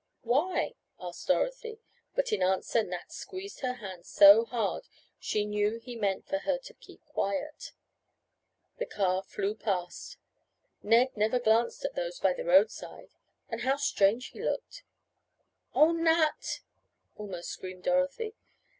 "Why?" asked Dorothy. But in answer Nat squeezed her hand so hard she knew he meant for her to keep quiet. The car flew past. Ned never glanced at those by the roadside. And how strange he looked "Oh, Nat!" almost screamed Dorothy.